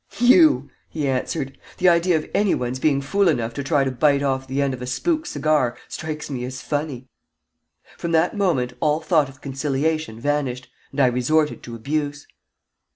"You," he answered. "The idea of any one's being fool enough to try to bite off the end of a spook cigar strikes me as funny." From that moment all thought of conciliation vanished, and I resorted to abuse.